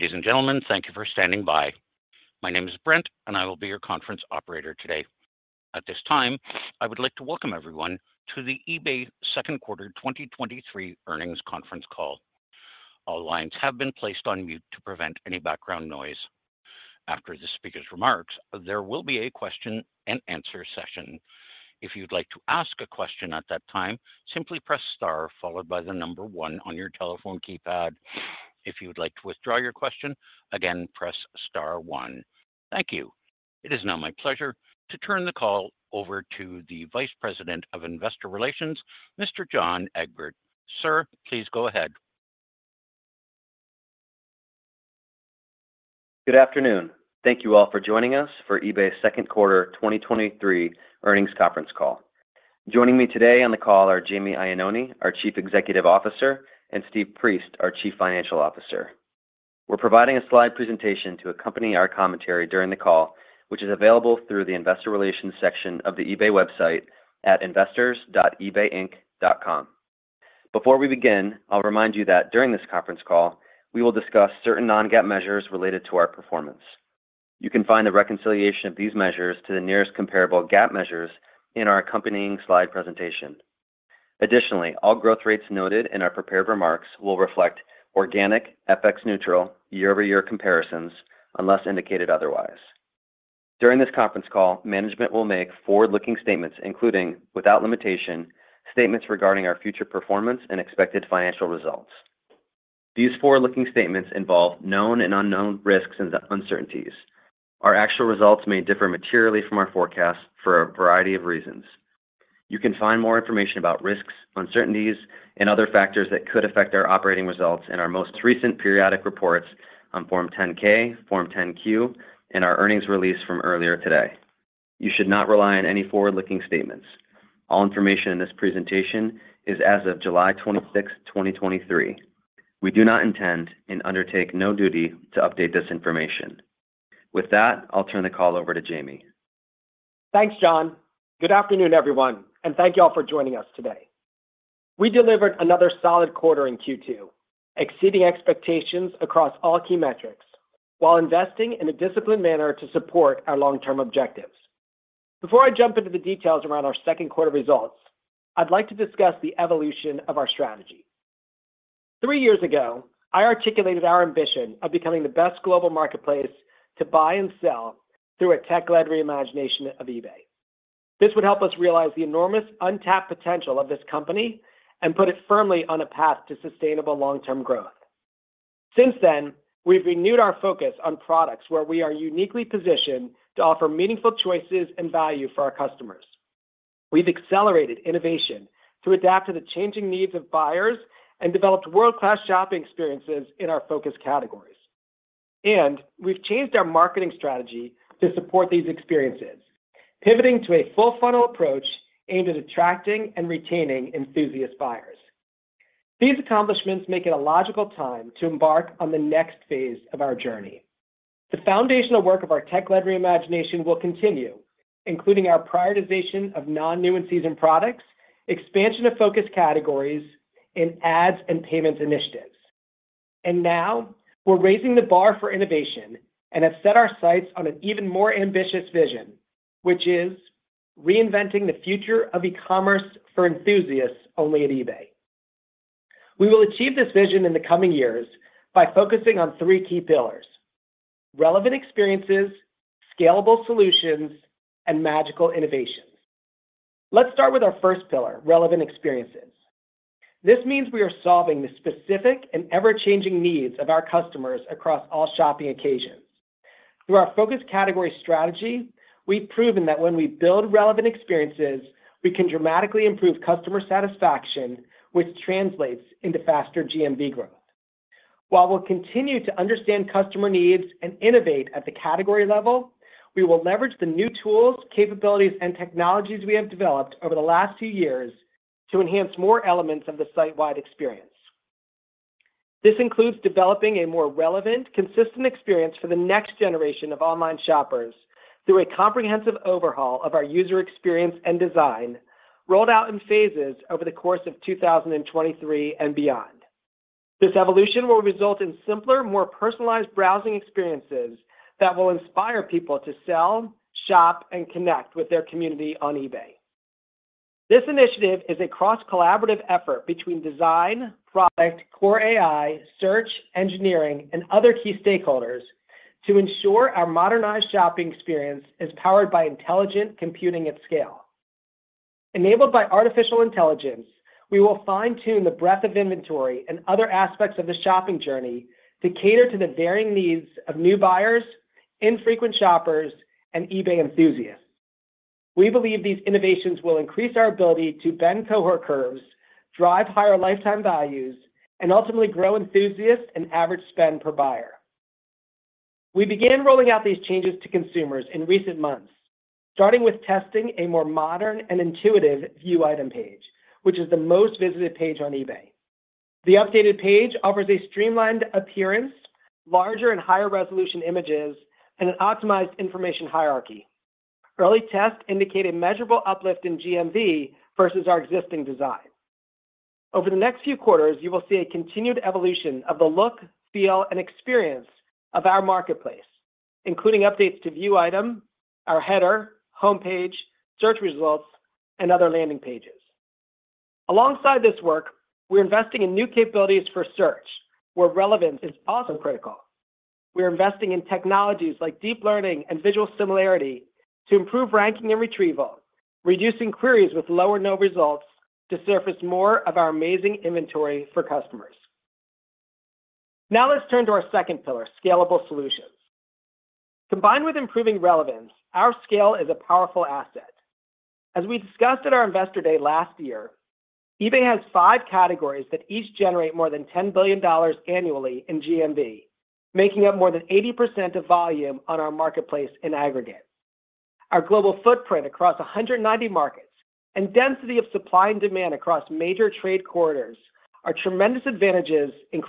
Ladies and gentlemen, thank you for standing by. My name is Brent, and I will be your conference operator today. At this time, I would like to welcome everyone to the eBay Second Quarter 2023 Earnings Conference Call. All lines have been placed on mute to prevent any background noise. After the speaker's remarks, there will be a question and answer session. If you'd like to ask a question at that time, simply press star followed by the number one on your telephone keypad. If you would like to withdraw your question, again, press star one. Thank you. It is now my pleasure to turn the call over to the Vice President of Investor Relations, Mr. John Egbert. Sir, please go ahead. Good afternoon. Thank you all for joining us for eBay's second quarter 2023 earnings conference call. Joining me today on the call are Jamie Iannone, our Chief Executive Officer, and Steve Priest, our Chief Financial Officer. We're providing a slide presentation to accompany our commentary during the call, which is available through the Investor Relations section of the eBay website at investors.ebayinc.com. Before we begin, I'll remind you that during this conference call, we will discuss certain non-GAAP measures related to our performance. You can find the reconciliation of these measures to the nearest comparable GAAP measures in our accompanying slide presentation. All growth rates noted in our prepared remarks will reflect organic, FX neutral, year-over-year comparisons unless indicated otherwise. During this conference call, management will make forward-looking statements, including, without limitation, statements regarding our future performance and expected financial results. These forward-looking statements involve known and unknown risks and uncertainties. Our actual results may differ materially from our forecasts for a variety of reasons. You can find more information about risks, uncertainties, and other factors that could affect our operating results in our most recent periodic reports on Form 10-K, Form 10-Q, and our earnings release from earlier today. You should not rely on any forward-looking statements. All information in this presentation is as of 26 July 2023. We do not intend and undertake any duty to update this information. With that, I'll turn the call over to Jamie. Thanks, John. Good afternoon, everyone, and thank you all for joining us today. We delivered another solid quarter in Q2, exceeding expectations across all key metrics, while investing in a disciplined manner to support our long-term objectives. Before I jump into the details around our second quarter results, I'd like to discuss the evolution of our strategy. Three years ago, I articulated our ambition of becoming the best global marketplace to buy and sell through a tech-led reimagination of eBay. This would help us realize the enormous untapped potential of this company and put it firmly on a path to sustainable long-term growth. Since then, we've renewed our focus on products where we are uniquely positioned to offer meaningful choices and value for our customers. We've accelerated innovation to adapt to the changing needs of buyers and developed world-class shopping experiences in our focus categories. We've changed our marketing strategy to support these experiences, pivoting to a full funnel approach aimed at attracting and retaining enthusiast buyers. These accomplishments make it a logical time to embark on the next phase of our journey. The foundational work of our tech-led reimagination will continue, including our prioritization of non-new and seasoned products, expansion of focus categories, and ads and payments initiatives. Now, we're raising the bar for innovation and have set our sights on an even more ambitious vision, which is reinventing the future of e-commerce for enthusiasts only at eBay. We will achieve this vision in the coming years by focusing on three key pillars: relevant experiences, scalable solutions, and magical innovations. Let's start with our first pillar, relevant experiences. This means we are solving the specific and ever-changing needs of our customers across all shopping occasions. Through our focused category strategy, we've proven that when we build relevant experiences, we can dramatically improve customer satisfaction, which translates into faster GMV growth. While we'll continue to understand customer needs and innovate at the category level, we will leverage the new tools, capabilities, and technologies we have developed over the last two years to enhance more elements of the site-wide experience. This includes developing a more relevant, consistent experience for the next generation of online shoppers through a comprehensive overhaul of our user experience and design, rolled out in phases over the course of 2023 and beyond. This evolution will result in simpler, more personalized browsing experiences that will inspire people to sell, shop, and connect with their community on eBay. This initiative is a cross-collaborative effort between design, product, core AI, search, engineering, and other key stakeholders to ensure our modernized shopping experience is powered by intelligent computing at scale. Enabled by artificial intelligence, we will fine-tune the breadth of inventory and other aspects of the shopping journey to cater to the varying needs of new buyers, infrequent shoppers, and eBay enthusiasts. We believe these innovations will increase our ability to bend cohort curves, drive higher lifetime values, and ultimately grow enthusiasts and average spend per buyer. We began rolling out these changes to consumers in recent months, starting with testing a more modern and intuitive view item page, which is the most visited page on eBay. The updated page offers a streamlined appearance, larger and higher resolution images, and an optimized information hierarchy. Early tests indicated measurable uplift in GMV versus our existing design. Over the next few quarters, you will see a continued evolution of the look, feel, and experience of our marketplace, including updates to view item, our header, homepage, search results, and other landing pages. Alongside this work, we're investing in new capabilities for search, where relevance is also critical. We're investing in technologies like deep learning and visual similarity to improve ranking and retrieval, reducing queries with low or no results to surface more of our amazing inventory for customers. Let's turn to our second pillar, scalable solutions. Combined with improving relevance, our scale is a powerful asset. As we discussed at our Investor Day last year, eBay has five categories that each generate more than $10 billion annually in GMV, making up more than 80% of volume on our marketplace in aggregate. Our global footprint across 190 markets and density of supply and demand across major trade corridors are tremendous advantages in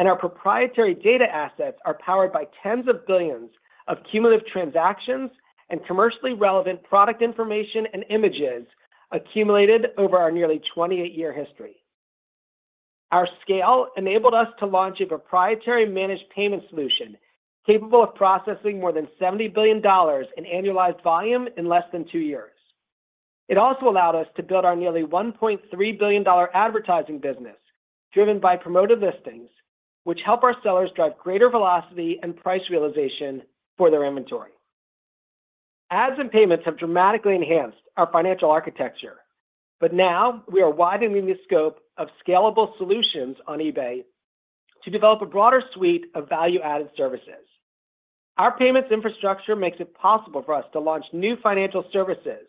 cross-border trade. Our proprietary data assets are powered by tens of billions of cumulative transactions and commercially relevant product information and images accumulated over our nearly 28-year history. Our scale enabled us to launch a proprietary managed payment solution, capable of processing more than $70 billion in annualized volume in less than 2 years. It also allowed us to build our nearly $1.3 billion advertising business, driven by Promoted Listings, which help our sellers drive greater velocity and price realization for their inventory. Ads and payments have dramatically enhanced our financial architecture, but now we are widening the scope of scalable solutions on eBay to develop a broader suite of value-added services. Our payments infrastructure makes it possible for us to launch new financial services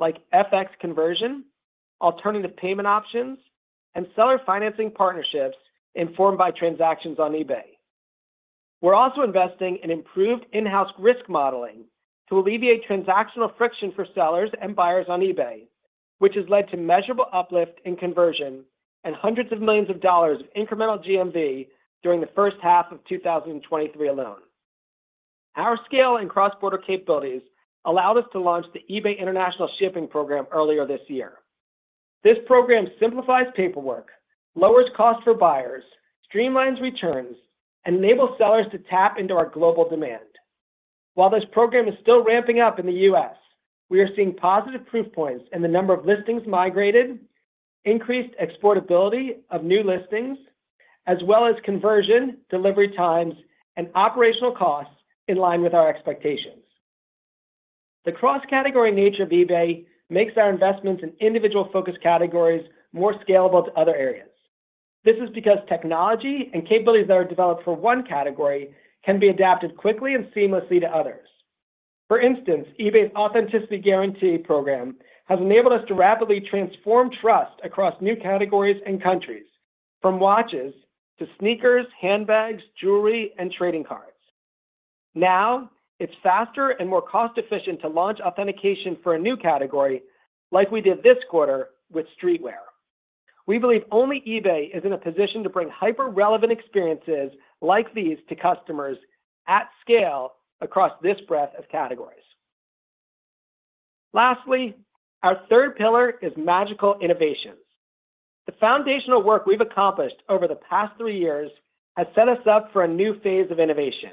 like FX conversion, alternative payment options, and seller financing partnerships informed by transactions on eBay. We're also investing in improved in-house risk modeling to alleviate transactional friction for sellers and buyers on eBay, which has led to measurable uplift in conversion and hundreds of millions of dollars of incremental GMV during the first half of 2023 alone. Our scale and cross-border capabilities allowed us to launch the eBay International Shipping Program earlier this year. This program simplifies paperwork, lowers costs for buyers, streamlines returns, and enables sellers to tap into our global demand. While this program is still ramping up in the U.S., we are seeing positive proof points in the number of listings migrated, increased exportability of new listings, as well as conversion, delivery times, and operational costs in line with our expectations. The cross-category nature of eBay makes our investments in individual-focused categories more scalable to other areas. This is because technology and capabilities that are developed for one category can be adapted quickly and seamlessly to others. For instance, eBay's Authenticity Guarantee program has enabled us to rapidly transform trust across new categories and countries, from watches to sneakers, handbags, jewelry, and trading cards. Now, it's faster and more cost-efficient to launch authentication for a new category like we did this quarter with streetwear. We believe only eBay is in a position to bring hyper-relevant experiences like these to customers at scale across this breadth of categories. Lastly, our third pillar is magical innovations. The foundational work we've accomplished over the past 3 years has set us up for a new phase of innovation.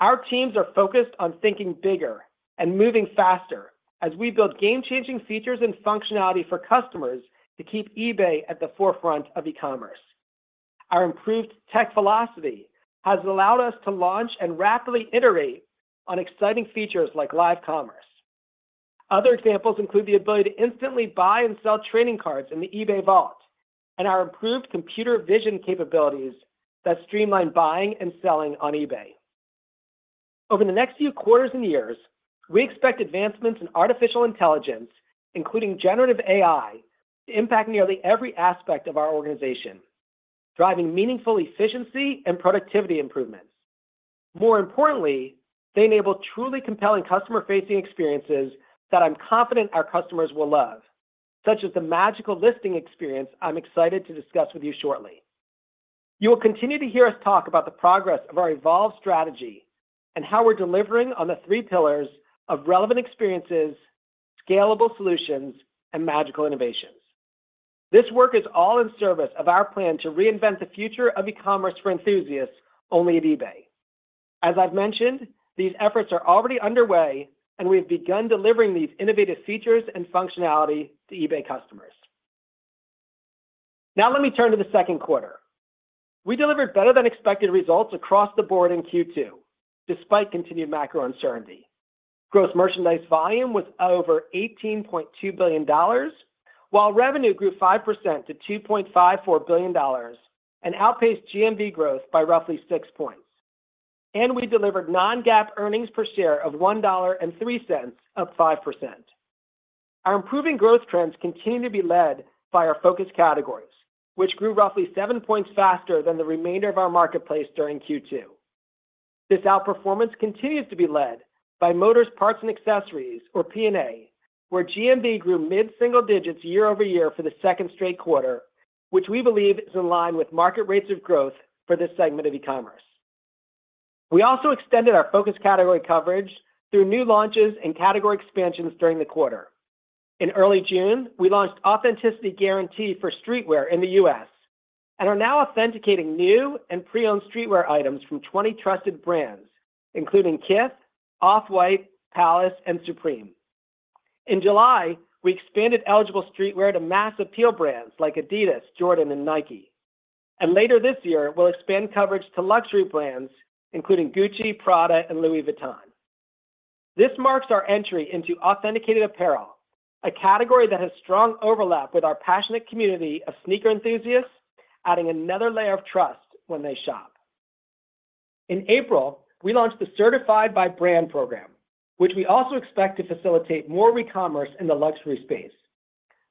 Our teams are focused on thinking bigger and moving faster as we build game-changing features and functionality for customers to keep eBay at the forefront of e-commerce. Our improved tech velocity has allowed us to launch and rapidly iterate on exciting features like live commerce. Other examples include the ability to instantly buy and sell trading cards in the eBay Vault, our improved computer vision capabilities that streamline buying and selling on eBay. Over the next few quarters and years, we expect advancements in artificial intelligence, including generative AI, to impact nearly every aspect of our organization, driving meaningful efficiency and productivity improvements. More importantly, they enable truly compelling customer-facing experiences that I'm confident our customers will love, such as the Magical Listing experience I'm excited to discuss with you shortly. You will continue to hear us talk about the progress of our evolved strategy and how we're delivering on the three pillars of relevant experiences, scalable solutions, and magical innovations. This work is all in service of our plan to reinvent the future of e-commerce for enthusiasts only at eBay. As I've mentioned, these efforts are already underway, and we've begun delivering these innovative features and functionality to eBay customers. Now let me turn to the second quarter. We delivered better-than-expected results across the board in Q2, despite continued macro uncertainty. Gross merchandise volume was over $18.2 billion, while revenue grew 5% to $2.54 billion and outpaced GMV growth by roughly 6 points. We delivered non-GAAP earnings per share of $1.03, up 5%. Our improving growth trends continue to be led by our focus categories, which grew roughly 7 points faster than the remainder of our marketplace during Q2. This outperformance continues to be led by Motors Parts & Accessories or P&A, where GMV grew mid-single digits year-over-year for the second straight quarter, which we believe is in line with market rates of growth for this segment of e-commerce. We also extended our focus category coverage through new launches and category expansions during the quarter. In early June, we launched Authenticity Guarantee for streetwear in the U.S., and are now authenticating new and pre-owned streetwear items from 20 trusted brands, including Kith, Off-White, Palace, and Supreme. In July, we expanded eligible streetwear to mass appeal brands like Adidas, Jordan, and Nike. Later this year, we'll expand coverage to luxury brands, including Gucci, Prada, and Louis Vuitton. This marks our entry into authenticated apparel, a category that has strong overlap with our passionate community of sneaker enthusiasts, adding another layer of trust when they shop. In April, we launched the Certified by Brand program, which we also expect to facilitate more recommerce in the luxury space.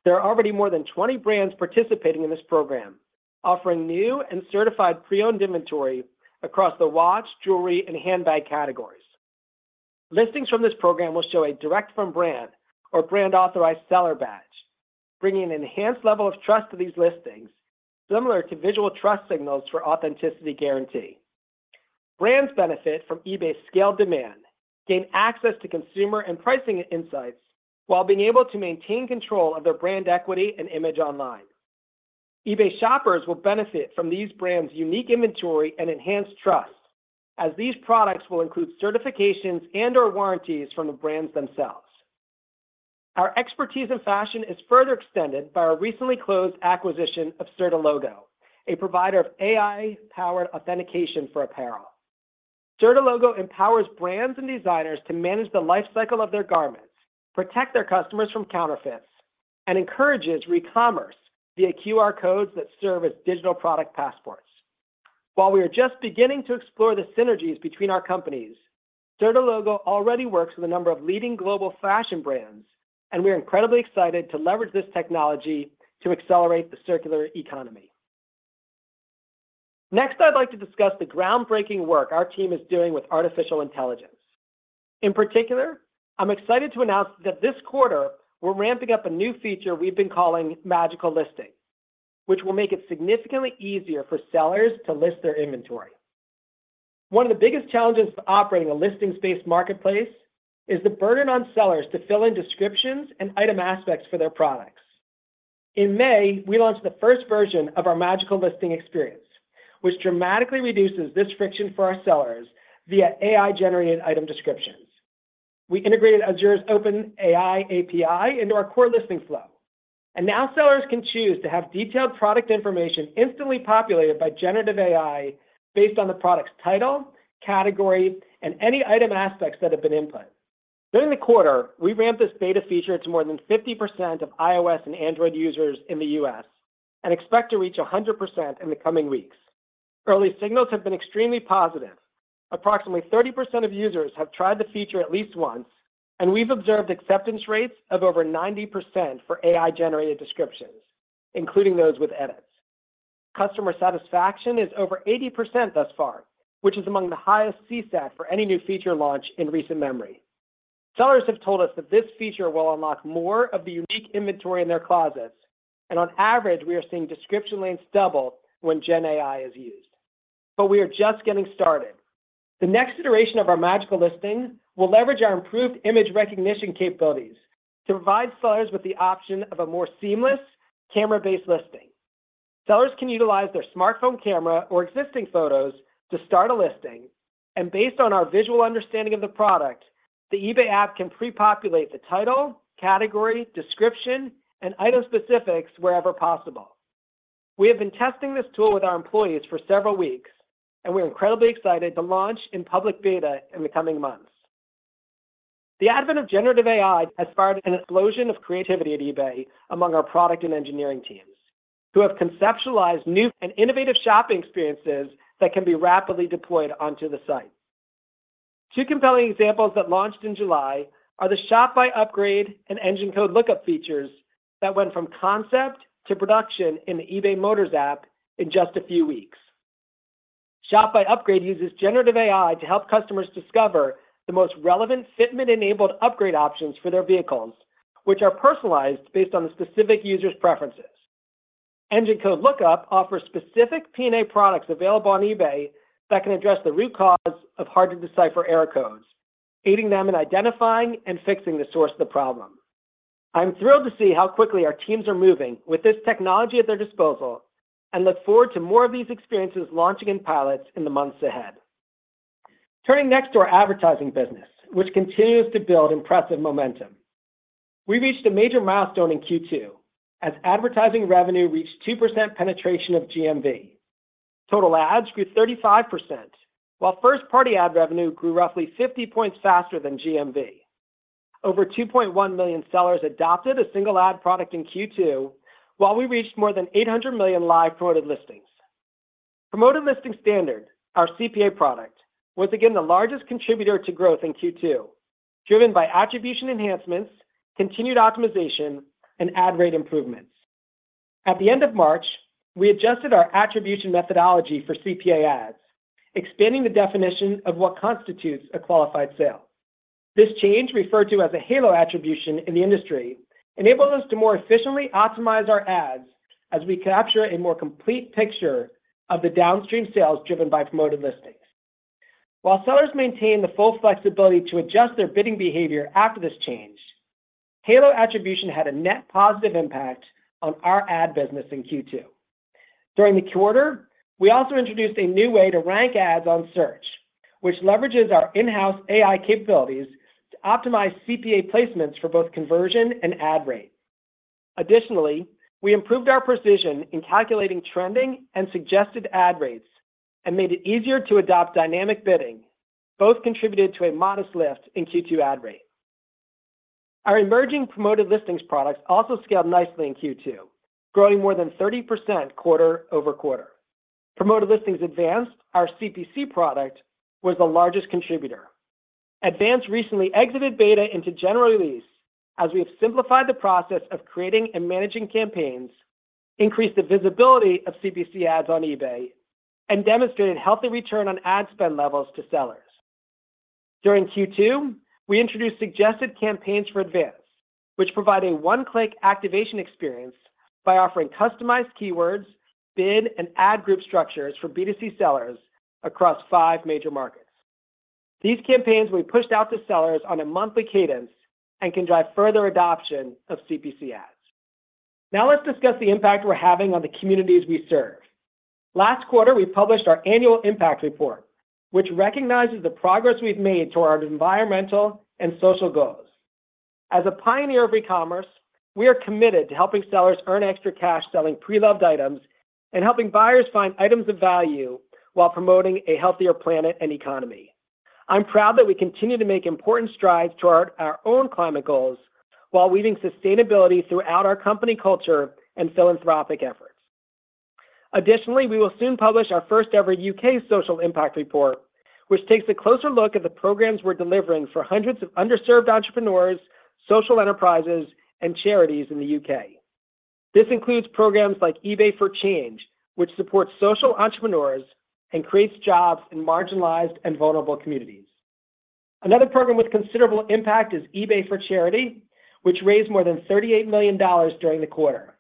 There are already more than 20 brands participating in this program, offering new and certified pre-owned inventory across the watch, jewelry, and handbag categories. Listings from this program will show a direct from brand or brand-authorized seller badge, bringing an enhanced level of trust to these listings, similar to visual trust signals for Authenticity Guarantee. Brands benefit from eBay's scaled demand, gain access to consumer and pricing insights, while being able to maintain control of their brand equity and image online. eBay shoppers will benefit from these brands' unique inventory and enhanced trust, as these products will include certifications and/or warranties from the brands themselves. Our expertise in fashion is further extended by our recently closed acquisition of Certilogo, a provider of AI-powered authentication for apparel. Certilogo empowers brands and designers to manage the life cycle of their garments, protect their customers from counterfeits, and encourages recommerce via QR codes that serve as digital product passports. While we are just beginning to explore the synergies between our companies, Certilogo already works with a number of leading global fashion brands. We're incredibly excited to leverage this technology to accelerate the circular economy. Next, I'd like to discuss the groundbreaking work our team is doing with artificial intelligence. In particular, I'm excited to announce that this quarter, we're ramping up a new feature we've been calling Magical Listing, which will make it significantly easier for sellers to list their inventory. One of the biggest challenges to operating a listings-based marketplace is the burden on sellers to fill in descriptions and item aspects for their products. In May, we launched the first version of our Magical Listing experience, which dramatically reduces this friction for our sellers via AI-generated item descriptions. We integrated Azure OpenAI API into our core listing flow, and now sellers can choose to have detailed product information instantly populated by generative AI based on the product's title, category, and any item aspects that have been input. During the quarter, we ramped this beta feature to more than 50% of iOS and Android users in the US, and expect to reach 100% in the coming weeks. Early signals have been extremely positive. Approximately 30% of users have tried the feature at least once, and we've observed acceptance rates of over 90% for AI-generated descriptions, including those with edits. Customer satisfaction is over 80% thus far, which is among the highest CSAT for any new feature launch in recent memory. Sellers have told us that this feature will unlock more of the unique inventory in their closets, and on average, we are seeing description lengths double when Gen AI is used. We are just getting started. The next iteration of our Magical Listing will leverage our improved image recognition capabilities to provide sellers with the option of a more seamless, camera-based listing. Sellers can utilize their smartphone camera or existing photos to start a listing, and based on our visual understanding of the product, the eBay app can pre-populate the title, category, description, and item specifics wherever possible. We have been testing this tool with our employees for several weeks, and we're incredibly excited to launch in public beta in the coming months. The advent of generative AI has sparked an explosion of creativity at eBay among our product and engineering teams, who have conceptualized new and innovative shopping experiences that can be rapidly deployed onto the site. Two compelling examples that launched in July are the Shop by Upgrade and Engine Code Lookup features that went from concept to production in the eBay Motors app in just a few weeks. Shop by Upgrade uses generative AI to help customers discover the most relevant fitment-enabled upgrade options for their vehicles, which are personalized based on the specific user's preferences. Engine Code Lookup offers specific P&A products available on eBay that can address the root cause of hard-to-decipher error codes, aiding them in identifying and fixing the source of the problem. I'm thrilled to see how quickly our teams are moving with this technology at their disposal, and look forward to more of these experiences launching in pilots in the months ahead. Turning next to our advertising business, which continues to build impressive momentum. We reached a major milestone in Q2, as advertising revenue reached 2% penetration of GMV. Total ads grew 35%, while first-party ad revenue grew roughly 50 points faster than GMV. Over 2.1 million sellers adopted a single ad product in Q2, while we reached more than 800 million live Promoted Listings. Promoted Listings Standard, our CPA product, was again the largest contributor to growth in Q2, driven by attribution enhancements, continued optimization, and ad rate improvements. At the end of March, we adjusted our attribution methodology for CPA ads, expanding the definition of what constitutes a qualified sale. This change, referred to as a halo attribution in the industry, enables us to more efficiently optimize our ads as we capture a more complete picture of the downstream sales driven by Promoted Listings. While sellers maintain the full flexibility to adjust their bidding behavior after this change, halo attribution had a net positive impact on our ad business in Q2. During the quarter, we also introduced a new way to rank ads on search, which leverages our in-house AI capabilities to optimize CPA placements for both conversion and ad rate. Additionally, we improved our precision in calculating trending and suggested ad rates, and made it easier to adopt dynamic bidding. Both contributed to a modest lift in Q2 ad rate. Our emerging promoted listings products also scaled nicely in Q2, growing more than 30% quarter-over-quarter. Promoted Listings Advanced, our CPC product, was the largest contributor. Advanced recently exited beta into general release, as we have simplified the process of creating and managing campaigns, increased the visibility of CPC ads on eBay, and demonstrated healthy return on ad spend levels to sellers. During Q2, we introduced Suggested campaigns for Advanced, which provide a one-click activation experience by offering customized keywords, bid, and ad group structures for B2C sellers across five major markets. These campaigns will be pushed out to sellers on a monthly cadence and can drive further adoption of CPC ads. Let's discuss the impact we're having on the communities we serve. Last quarter, we published our annual impact report, which recognizes the progress we've made toward our environmental and social goals. As a pioneer of e-commerce, we are committed to helping sellers earn extra cash selling pre-loved items and helping buyers find items of value while promoting a healthier planet and economy. I'm proud that we continue to make important strides toward our own climate goals, while weaving sustainability throughout our company culture and philanthropic efforts. Additionally, we will soon publish our first-ever U.K. social impact report, which takes a closer look at the programs we're delivering for hundreds of underserved entrepreneurs, social enterprises, and charities in the U.K. This includes programs like eBay for Change, which supports social entrepreneurs and creates jobs in marginalized and vulnerable communities. Another program with considerable impact is eBay for Charity, which raised more than $38 million during the quarter.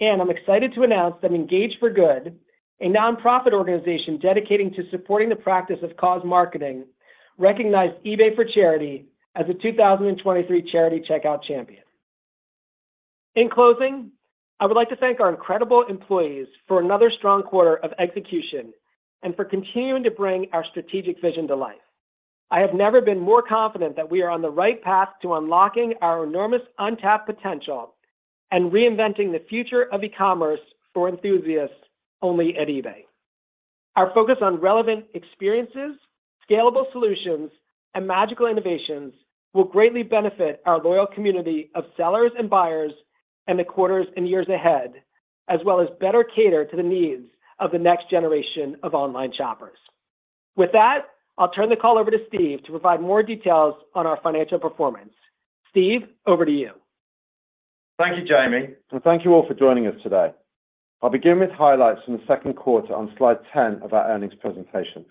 I'm excited to announce that Engage for Good, a nonprofit organization dedicated to supporting the practice of cause marketing, recognized eBay for Charity as a 2023 Charity Checkout Champion. In closing, I would like to thank our incredible employees for another strong quarter of execution and for continuing to bring our strategic vision to life. I have never been more confident that we are on the right path to unlocking our enormous untapped potential and reinventing the future of e-commerce for enthusiasts only at eBay. Our focus on relevant experiences, scalable solutions, and magical innovations will greatly benefit our loyal community of sellers and buyers in the quarters and years ahead, as well as better cater to the needs of the next generation of online shoppers. With that, I'll turn the call over to Steve to provide more details on our financial performance. Steve, over to you. Thank you, Jamie, thank you all for joining us today. I'll begin with highlights from the second quarter on slide 10 of our earnings presentation.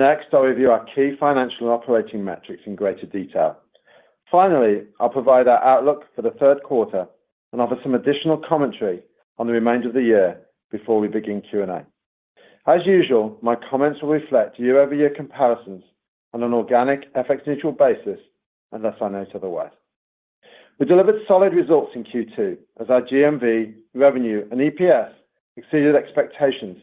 I'll review our key financial and operating metrics in greater detail. I'll provide our outlook for the third quarter and offer some additional commentary on the remainder of the year before we begin Q&A. As usual, my comments will reflect year-over-year comparisons on an organic FX neutral basis, unless I note otherwise. We delivered solid results in Q2 as our GMV, revenue, and EPS exceeded expectations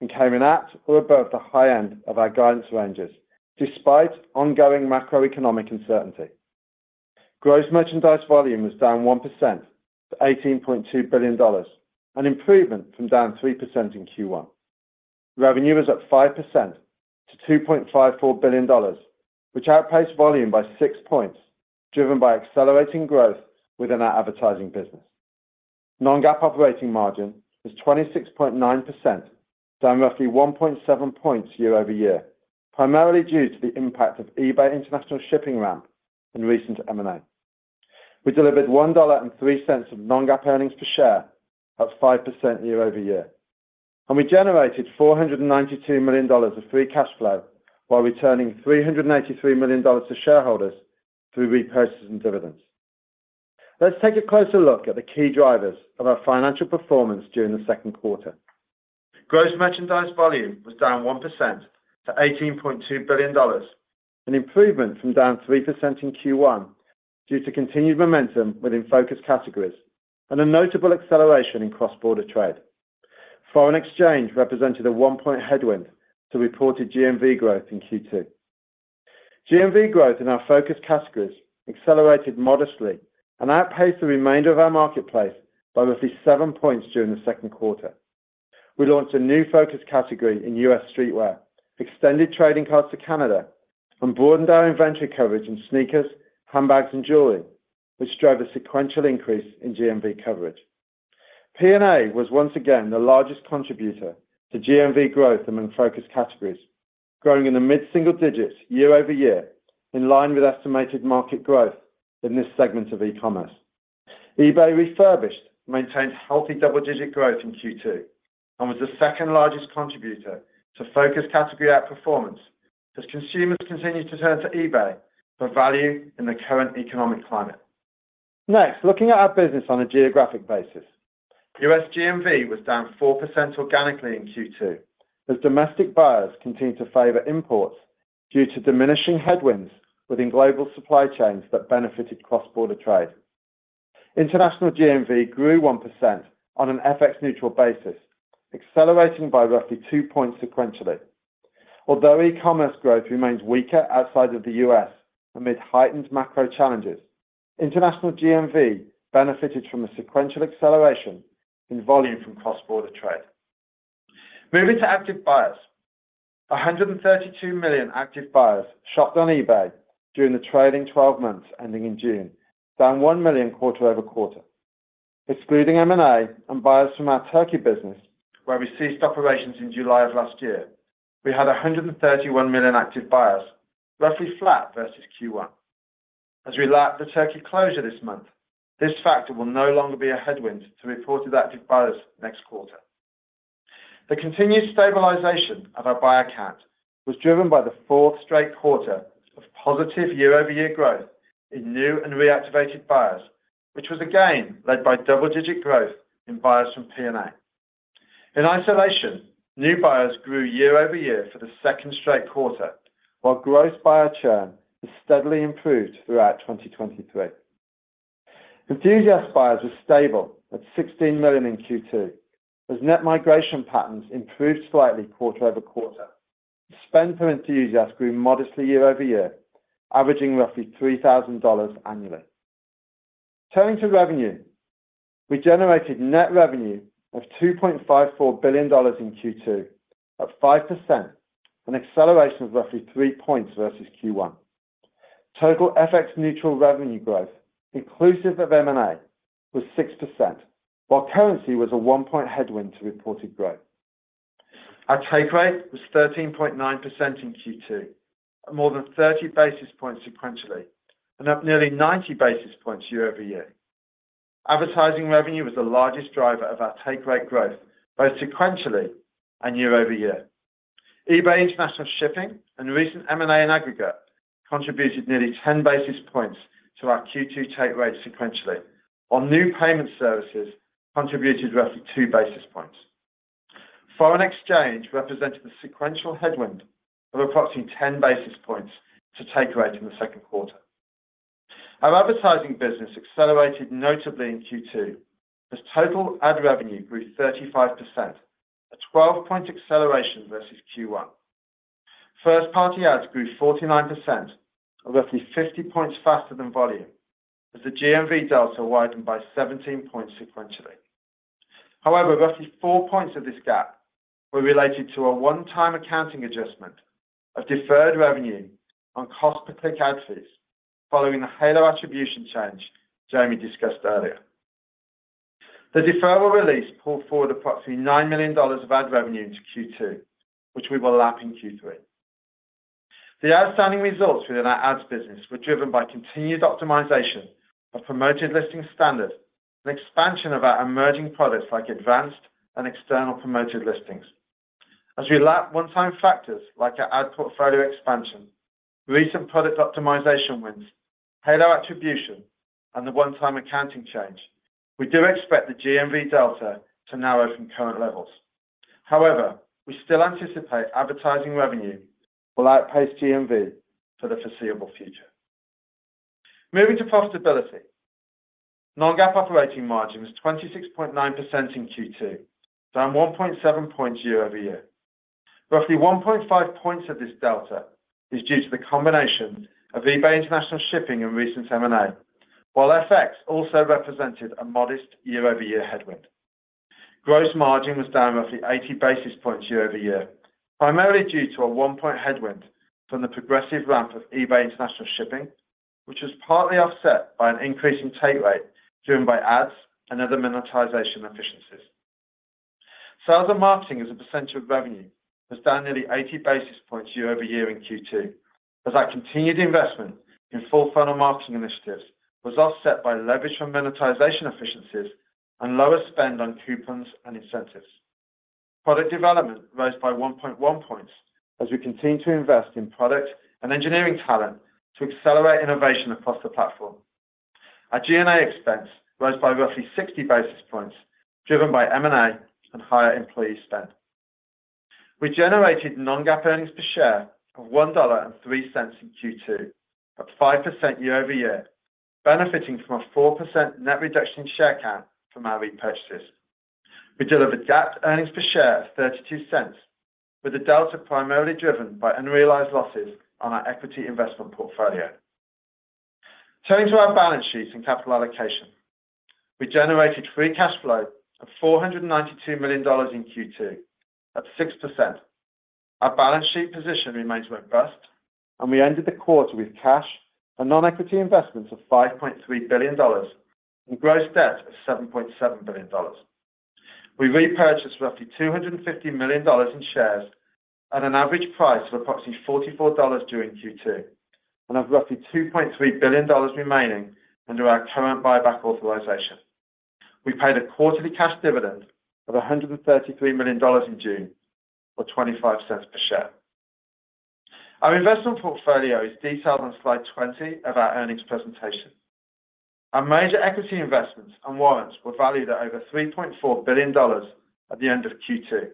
and came in at or above the high end of our guidance ranges, despite ongoing macroeconomic uncertainty. Gross merchandise volume was down 1% to $18.2 billion, an improvement from down 3% in Q1. Revenue was up 5% to $2.54 billion, which outpaced volume by 6 points, driven by accelerating growth within our advertising business. Non-GAAP operating margin was 26.9%, down roughly 1.7 points year-over-year, primarily due to the impact of eBay International Shipping ramp in recent M&A. We delivered $1.03 of non-GAAP earnings per share, up 5% year-over-year. We generated $492 million of free cash flow, while returning $383 million to shareholders through repurchases and dividends. Let's take a closer look at the key drivers of our financial performance during the second quarter. Gross merchandise volume was down 1% to $18.2 billion, an improvement from down 3% in Q1, due to continued momentum within focused categories and a notable acceleration in cross-border trade. Foreign exchange represented a 1-point headwind to reported GMV growth in Q2. GMV growth in our focused categories accelerated modestly and outpaced the remainder of our marketplace by roughly 7 points during the second quarter. We launched a new focus category in U.S. streetwear, extended trading cards to Canada, and broadened our inventory coverage in sneakers, handbags, and jewelry, which drove a sequential increase in GMV coverage. P&A was once again the largest contributor to GMV growth among focus categories, growing in the mid-single digits year-over-year, in line with estimated market growth in this segment of e-commerce. eBay Refurbished maintained healthy double-digit growth in Q2 and was the second-largest contributor to focused category outperformance, as consumers continued to turn to eBay for value in the current economic climate. Looking at our business on a geographic basis. US GMV was down 4% organically in Q2, as domestic buyers continued to favor imports due to diminishing headwinds within global supply chains that benefited cross-border trade. International GMV grew 1% on an FX neutral basis, accelerating by roughly 2 points sequentially. E-commerce growth remains weaker outside of the US amid heightened macro challenges, international GMV benefited from a sequential acceleration in volume from cross-border trade. Moving to active buyers. 132 million active buyers shopped on eBay during the trading 12 months ending in June, down 1 million quarter-over-quarter. Excluding M&A and buyers from our Turkey business, where we ceased operations in July of last year, we had 131 million active buyers, roughly flat versus Q1. As we lap the Turkey closure this month, this factor will no longer be a headwind to reported active buyers next quarter. The continued stabilization of our buyer count was driven by the fourth straight quarter of positive year-over-year growth in new and reactivated buyers, which was again led by double-digit growth in buyers from P&A. In isolation, new buyers grew year-over-year for the second straight quarter, while growth buyer churn has steadily improved throughout 2023. Enthusiast buyers were stable at 16 million in Q2, as net migration patterns improved slightly quarter-over-quarter. Spend per enthusiast grew modestly year-over-year, averaging roughly $3,000 annually. Turning to revenue, we generated net revenue of $2.54 billion in Q2, up 5%, an acceleration of roughly 3 points versus Q1. Total FX neutral revenue growth, inclusive of M&A, was 6%, while currency was a one-point headwind to reported growth. Our take rate was 13.9% in Q2, at more than 30 basis points sequentially, and up nearly 90 basis points year-over-year. Advertising revenue was the largest driver of our take rate growth, both sequentially and year-over-year. eBay International Shipping and recent M&A in aggregate contributed nearly 10 basis points to our Q2 take rate sequentially, while new payment services contributed roughly two basis points. Foreign exchange represented a sequential headwind of approximately 10 basis points to take rate in the second quarter. Our advertising business accelerated notably in Q2, as total ad revenue grew 35%, a 12-point acceleration versus Q1. First-party ads grew 49%, or roughly 50 points faster than volume, as the GMV delta widened by 17 points sequentially. Roughly 4 points of this gap were related to a one-time accounting adjustment of deferred revenue on cost-per-click ad fees following the halo attribution change Jamie discussed earlier. The deferral release pulled forward approximately $9 million of ad revenue into Q2, which we will lap in Q3. The outstanding results within our ads business were driven by continued optimization of Promoted Listings Standard and expansion of our emerging products like Advanced and external promoted listings. As we lap one-time factors like our ad portfolio expansion, recent product optimization wins, halo attribution, and the one-time accounting change, we do expect the GMV delta to narrow from current levels. However, we still anticipate advertising revenue will outpace GMV for the foreseeable future. Moving to profitability. Non-GAAP operating margin was 26.9% in Q2, down 1.7 points year-over-year. Roughly 1.5 points of this delta is due to the combination of eBay International Shipping and recent M&A, while FX also represented a modest year-over-year headwind. Gross margin was down roughly 80 basis points year-over-year, primarily due to a 1-point headwind from the progressive ramp of eBay International Shipping, which was partly offset by an increase in take rate driven by ads and other monetization efficiencies. Sales and marketing as a percentage of revenue was down nearly 80 basis points year-over-year in Q2, as our continued investment in full funnel marketing initiatives was offset by leverage from monetization efficiencies and lower spend on coupons and incentives. Product development rose by 1.1 points as we continue to invest in product and engineering talent to accelerate innovation across the platform. Our G&A expense rose by roughly 60 basis points, driven by M&A and higher employee spend. We generated non-GAAP earnings per share of $1.03 in Q2, up 5% year-over-year, benefiting from a 4% net reduction in share count from our repurchases. We delivered GAAP earnings per share of $0.32, with the delta primarily driven by unrealized losses on our equity investment portfolio. Turning to our balance sheets and capital allocation, we generated free cash flow of $492 million in Q2, up 6%. Our balance sheet position remains robust, and we ended the quarter with cash and non-equity investments of $5.3 billion and gross debt of $7.7 billion. We repurchased roughly $250 million in shares at an average price of approximately $44 during Q2, and have roughly $2.3 billion remaining under our current buyback authorization. We paid a quarterly cash dividend of $133 million in June, or $0.25 per share. Our investment portfolio is detailed on slide 20 of our earnings presentation. Our major equity investments and warrants were valued at over $3.4 billion at the end of Q2.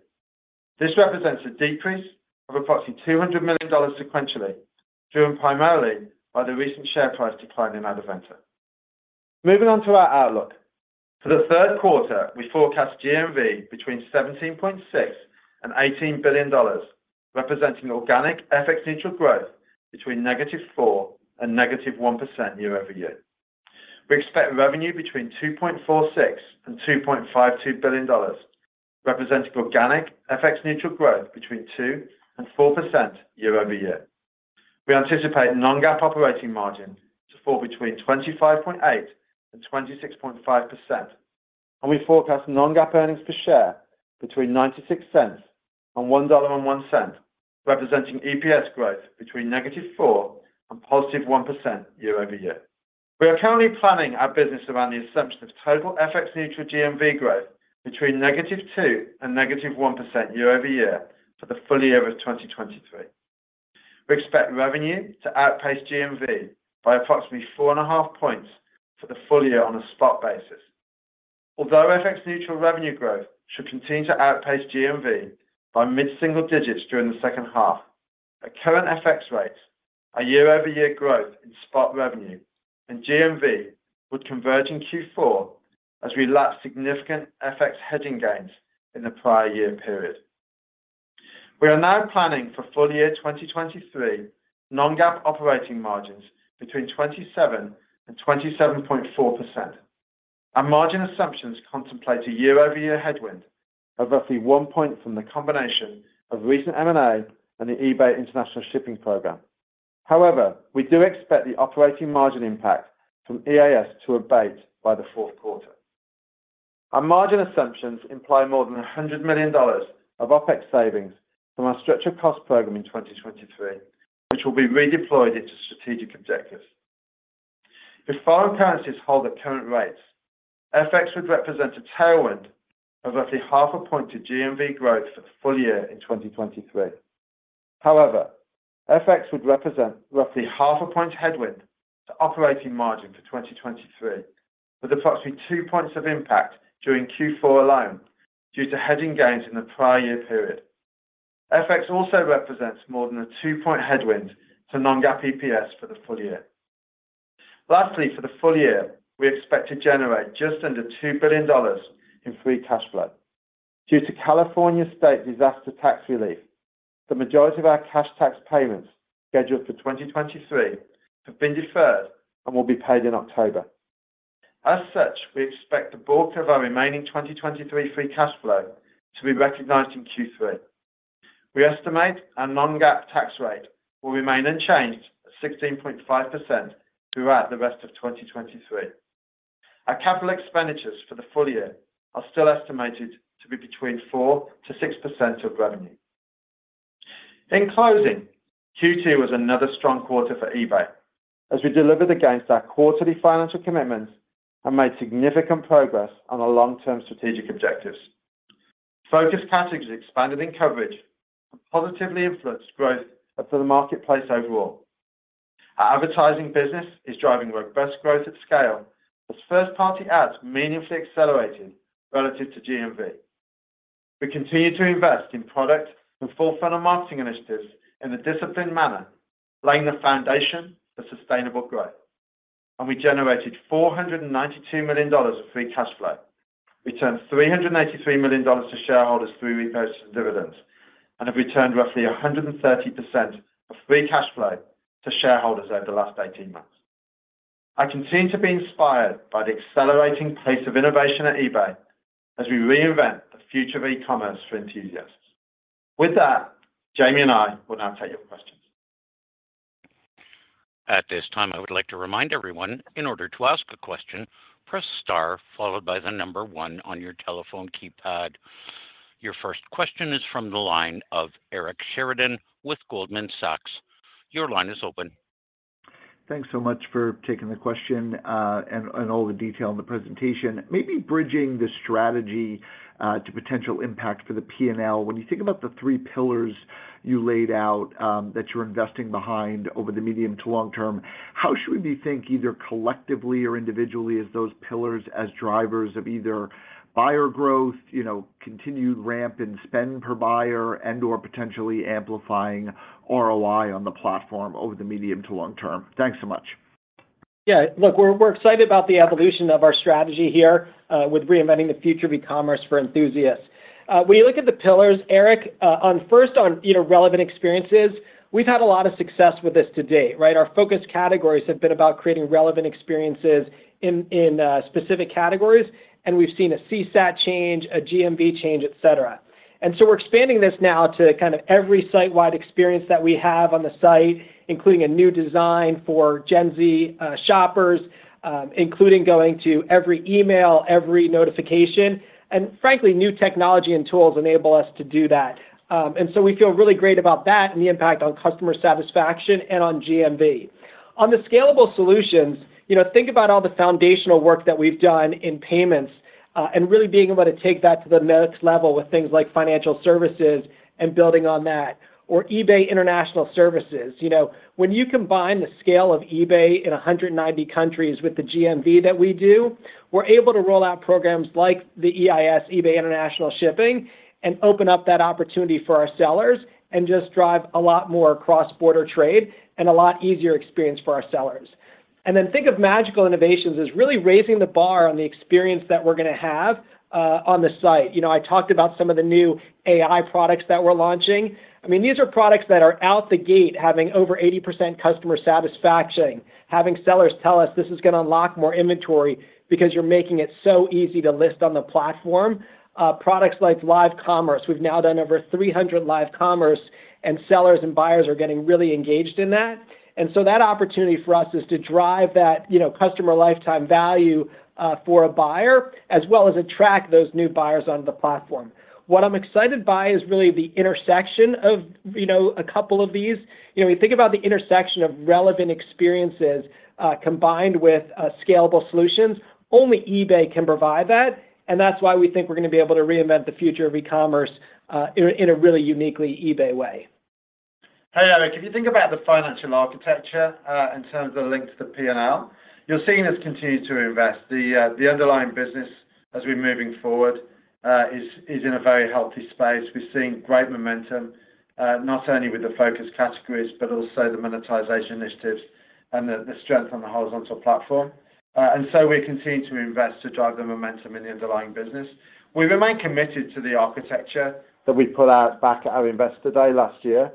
This represents a decrease of approximately $200 million sequentially, driven primarily by the recent share price decline in Adevinta. Moving on to our outlook. For the third quarter, we forecast GMV between $17.6 billion and $18 billion, representing organic FX neutral growth between -4% and -1% year-over-year. We expect revenue between $2.46 billion and $2.52 billion, representing organic FX neutral growth between 2% and 4% year-over-year. We anticipate non-GAAP operating margin to fall between 25.8% and 26.5%, and we forecast non-GAAP earnings per share between $0.96 and $1.01, representing EPS growth between -4% and +1% year-over-year. We are currently planning our business around the assumption of total FX neutral GMV growth between negative 2% and negative 1% year-over-year for the full year of 2023. We expect revenue to outpace GMV by approximately 4.5 points for the full year on a spot basis. FX neutral revenue growth should continue to outpace GMV by mid-single digits during the second half, at current FX rates, our year-over-year growth in spot revenue and GMV would converge in Q4 as we lack significant FX hedging gains in the prior year period. We are now planning for full year 2023 non-GAAP operating margins between 27% and 27.4%. Our margin assumptions contemplate a year-over-year headwind of roughly 1 point from the combination of recent M&A and the eBay International Shipping Program. We do expect the operating margin impact from EIS to abate by the fourth quarter. Our margin assumptions imply more than $100 million of OpEx savings from our structure cost program in 2023, which will be redeployed into strategic objectives. If foreign currencies hold at current rates, FX would represent a tailwind of roughly half a point to GMV growth for the full year in 2023. FX would represent roughly half a point headwind to operating margin for 2023, with approximately two points of impact during Q4 alone due to hedging gains in the prior year period. FX also represents more than a two-point headwind to non-GAAP EPS for the full year. For the full year, we expect to generate just under $2 billion in free cash flow. Due to California State disaster tax relief, the majority of our cash tax payments scheduled for 2023 have been deferred and will be paid in October. As such, we expect the bulk of our remaining 2023 free cash flow to be recognized in Q3. We estimate our non-GAAP tax rate will remain unchanged at 16.5% throughout the rest of 2023. Our capital expenditures for the full year are still estimated to be between 4%-6% of revenue. In closing, Q2 was another strong quarter for eBay, as we delivered against our quarterly financial commitments and made significant progress on our long-term strategic objectives. Focused categories expanded in coverage and positively influenced growth for the marketplace overall. Our advertising business is driving robust growth at scale, with first-party ads meaningfully accelerating relative to GMV. We continue to invest in product and forefront of marketing initiatives in a disciplined manner, laying the foundation for sustainable growth. We generated $492 million of free cash flow, returned $383 million to shareholders through repurchase and dividends, and have returned roughly 130% of free cash flow to shareholders over the last 18 months. I continue to be inspired by the accelerating pace of innovation at eBay as we reinvent the future of e-commerce for enthusiasts. With that, Jamie and I will now take your questions. At this time, I would like to remind everyone, in order to ask a question, press star followed by the number one on your telephone keypad. Your first question is from the line of Eric Sheridan with Goldman Sachs. Your line is open. Thanks so much for taking the question, and all the detail in the presentation. Maybe bridging the strategy to potential impact for the P&L. When you think about the 3 pillars you laid out, that you're investing behind over the medium to long term, how should we think, either collectively or individually, as those pillars as drivers of either buyer growth, you know, continued ramp and spend per buyer, and/or potentially amplifying ROI on the platform over the medium to long term? Thanks so much. Look, we're excited about the evolution of our strategy here with reinventing the future of e-commerce for enthusiasts. When you look at the pillars, Eric, on first on, you know, relevant experiences, we've had a lot of success with this to date, right? Our focus categories have been about creating relevant experiences in specific categories, and we've seen a CSAT change, a GMV change, et cetera. We're expanding this now to kind of every site-wide experience that we have on the site, including a new design for Gen Z shoppers, including going to every email, every notification, and frankly, new technology and tools enable us to do that. We feel really great about that and the impact on customer satisfaction and on GMV. On the scalable solutions, you know, think about all the foundational work that we've done in payments, and really being able to take that to the next level with things like financial services and building on that, or eBay International Shipping. You know, when you combine the scale of eBay in 190 countries with the GMV that we do, we're able to roll out programs like the EIS, eBay International Shipping, and open up that opportunity for our sellers and just drive a lot more cross-border trade and a lot easier experience for our sellers. Think of magical innovations as really raising the bar on the experience that we're gonna have on the site. You know, I talked about some of the new AI products that we're launching. I mean, these are products that are out the gate having over 80% customer satisfaction, having sellers tell us, "This is gonna unlock more inventory because you're making it so easy to list on the platform." Products like eBay Live. We've now done over 300 eBay Live, and sellers and buyers are getting really engaged in that. That opportunity for us is to drive that, you know, customer lifetime value for a buyer, as well as attract those new buyers onto the platform. What I'm excited by is really the intersection of, you know, a couple of these. You know, we think about the intersection of relevant experiences combined with scalable solutions. Only eBay can provide that, and that's why we think we're gonna be able to reinvent the future of e-commerce in a really uniquely eBay way. Hey, Eric, if you think about the financial architecture, in terms of the link to the P&L, you're seeing us continue to invest. The, the underlying business as we're moving forward, is in a very healthy space. We're seeing great momentum, not only with the focus categories, but also the monetization initiatives and the strength on the horizontal platform. We continue to invest to drive the momentum in the underlying business. We remain committed to the architecture that we put out back at our Investor Day last year,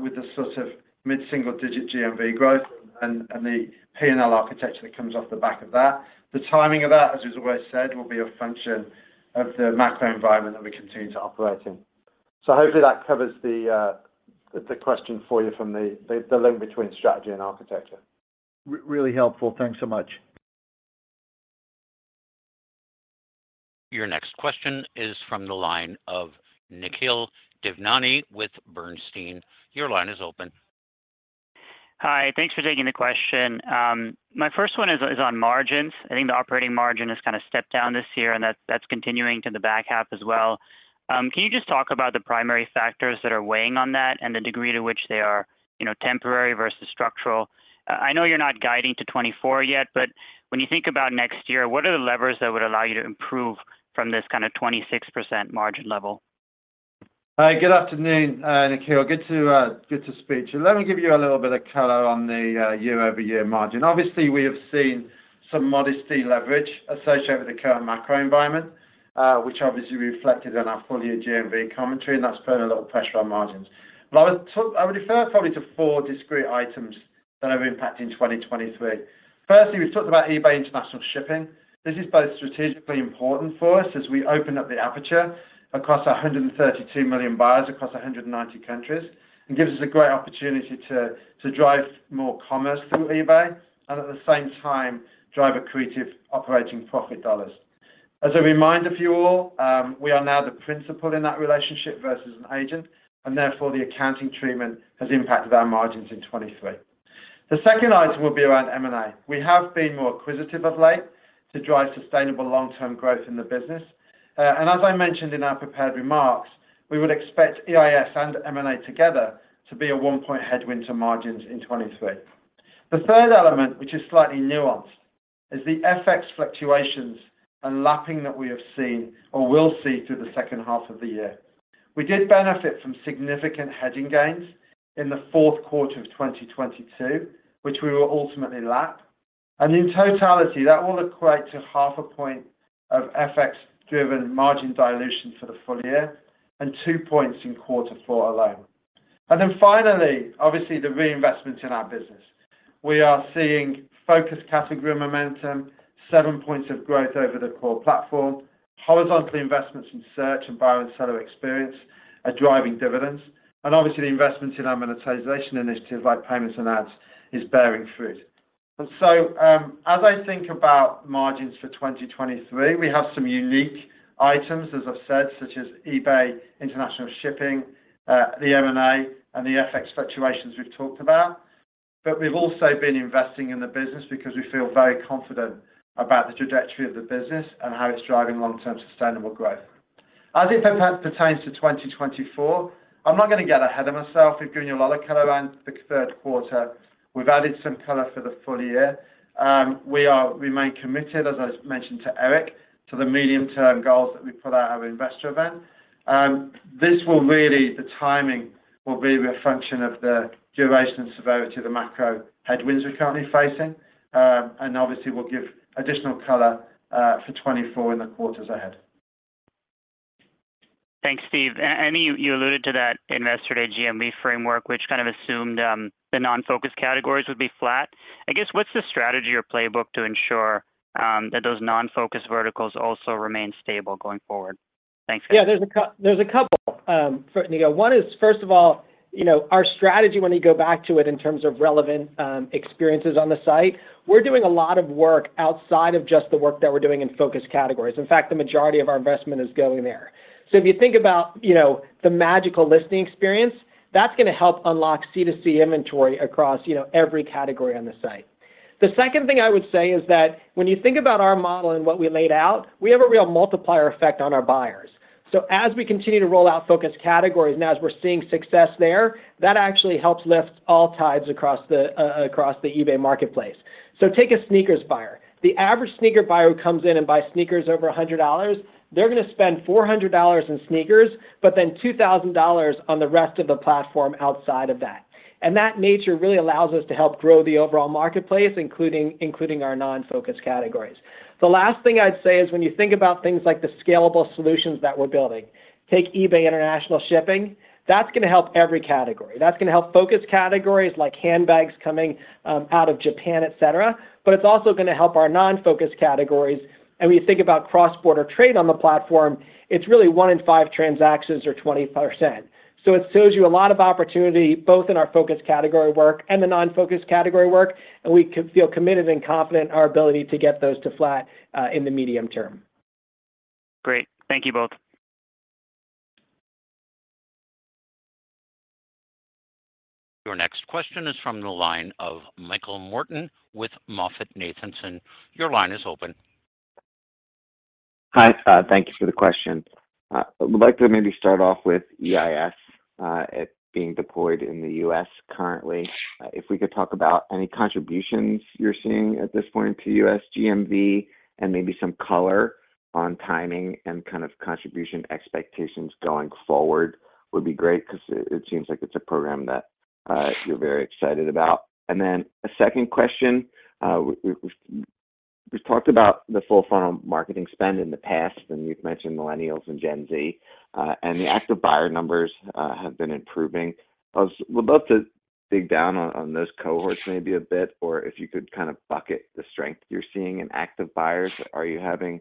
with the sort of mid-single-digit GMV growth and the P&L architecture that comes off the back of that. The timing of that, as we've always said, will be a function of the macro environment that we continue to operate in. Hopefully that covers the question for you from the link between strategy and architecture. Really helpful. Thanks so much. Your next question is from the line of Nikhil Devnani with Bernstein. Your line is open. Hi, thanks for taking the question. My first one is on margins. I think the operating margin has kind of stepped down this year. That's continuing to the back half as well. Can you just talk about the primary factors that are weighing on that and the degree to which they are, you know, temporary versus structural? I know you're not guiding to 2024 yet, but when you think about next year, what are the levers that would allow you to improve from this kind of 26% margin level? Hi, good afternoon, Nikhil. Good to speak to you. Let me give you a little bit of color on the year-over-year margin. Obviously, we have seen some modesty leverage associated with the current macro environment, which obviously reflected in our full-year GMV commentary, and that's putting a lot of pressure on margins. I would refer probably to four discrete items that have impact in 2023. Firstly, we've talked about eBay International Shipping. This is both strategically important for us as we open up the aperture across 132 million buyers, across 190 countries, and gives us a great opportunity to drive more commerce through eBay and at the same time drive accretive operating profit dollars. As a reminder for you all, we are now the principal in that relationship versus an agent. Therefore, the accounting treatment has impacted our margins in 2023. The second item will be around M&A. We have been more acquisitive of late to drive sustainable long-term growth in the business. As I mentioned in our prepared remarks, we would expect EIS and M&A together to be a 1-point headwind to margins in 2023. The third element, which is slightly nuanced, is the FX fluctuations and lapping that we have seen or will see through the second half of the year. We did benefit from significant hedging gains in the fourth quarter of 2022, which we will ultimately lap. In totality, that will equate to half a point of FX-driven margin dilution for the full year and 2 points in quarter four alone. Finally, obviously, the reinvestment in our business. We are seeing focused category momentum, seven points of growth over the core platform, horizontal investments in search and buyer and seller experience are driving dividends, and obviously, the investments in our monetization initiatives, like payments and ads, is bearing fruit. As I think about margins for 2023, we have some unique items, as I've said, such as eBay International Shipping, the M&A, and the FX fluctuations we've talked about. We've also been investing in the business because we feel very confident about the trajectory of the business and how it's driving long-term sustainable growth. As it perhaps pertains to 2024, I'm not going to get ahead of myself. We've given you a lot of color around the third quarter. We've added some color for the full year. We are remain committed, as I mentioned to Eric, to the medium-term goals that we put out at our investor event. This will really, the timing will be a function of the duration and severity of the macro headwinds we're currently facing, and obviously, we'll give additional color for 2024 in the quarters ahead. Thanks, Steve. You alluded to that Investor Day GMV framework, which kind of assumed the non-focus categories would be flat. I guess, what's the strategy or playbook to ensure that those non-focus verticals also remain stable going forward? Yeah, there's a couple for Nico. One is, first of all, you know, our strategy when you go back to it in terms of relevant experiences on the site, we're doing a lot of work outside of just the work that we're doing in focus categories. In fact, the majority of our investment is going there. If you think about, you know, the Magical Listing experience, that's gonna help unlock C2C inventory across, you know, every category on the site. The second thing I would say is that when you think about our model and what we laid out, we have a real multiplier effect on our buyers. As we continue to roll out focus categories, and as we're seeing success there, that actually helps lift all tides across the eBay marketplace. Take a sneakers buyer. The average sneaker buyer who comes in and buys sneakers over $100, they're gonna spend $400 in sneakers, but then $2,000 on the rest of the platform outside of that. That nature really allows us to help grow the overall marketplace, including our non-focus categories. The last thing I'd say is, when you think about things like the scalable solutions that we're building, take eBay International Shipping, that's gonna help every category. That's gonna help focus categories like handbags coming out of Japan, et cetera, but it's also gonna help our non-focus categories. When you think about cross-border trade on the platform, it's really one in five transactions or 20%. It shows you a lot of opportunity, both in our focus category work and the non-focus category work, and we feel committed and confident in our ability to get those to flat in the medium term. Great. Thank you both. Your next question is from the line of Michael Morton with MoffettNathanson. Your line is open. Hi, thank you for the question. I would like to maybe start off with EIS, it being deployed in the U.S. currently. If we could talk about any contributions you're seeing at this point to U.S. GMV. Maybe some color on timing and kind of contribution expectations going forward would be great, because it seems like it's a program that you're very excited about. A second question. We've talked about the full funnel marketing spend in the past, and you've mentioned Millennials and Gen Z. The active buyer numbers have been improving. I would love to dig down on those cohorts maybe a bit, or if you could kind of bucket the strength you're seeing in active buyers. Are you having